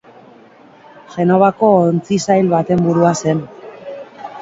Genovako ontzi-sail baten burua zen.